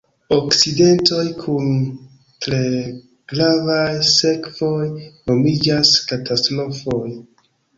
Akcidentoj kun tre gravaj sekvoj nomiĝas katastrofoj.